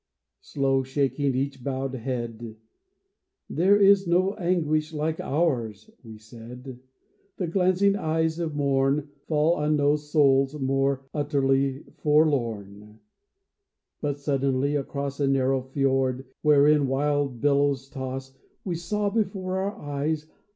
Slow shaking each bowed head, " There is no anguish like to ours," we said ;" The glancing eyes of morn Fall on no souls more utterly forlorn." But suddenly, across A narrow fiord wherein wild billows toss, We saw before our eyes.